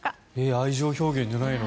愛情表現じゃないの？